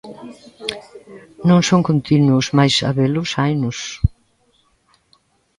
Non son continuos mais habelos, hainos.